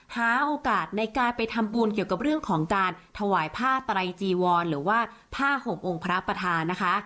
หาโอกาสในการไปทำบุญเกี่ยวกับเรื่องของการถวายผ้าไตรจีวรหรือว่าผ้าห่มองค์พระประธานนะคะ